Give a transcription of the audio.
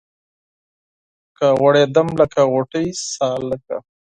که غوړېدم لکه غوټۍ سالکه